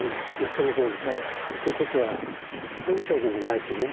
そのとおり。ということは文章でもないしね。